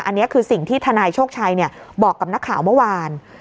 อันนี้คือสิ่งที่ทนายโชคชัยบอกกับนักข่าวเมื่อวาน